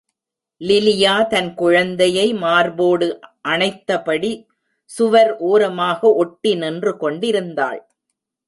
லிலியா தன் குழந்தையை மார்போடு அனைத்தபடி சுவர் ஓரமாக ஒட்டி நின்று கொண்டிருந்தாள்.